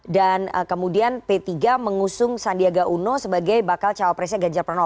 dan kemudian p tiga mengusung sandiaga uno sebagai bakal cawapresnya ganjar pranowo